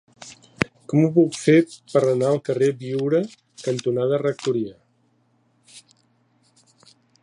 Com ho puc fer per anar al carrer Biure cantonada Rectoria?